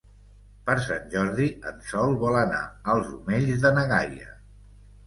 Per Sant Jordi en Sol vol anar als Omells de na Gaia.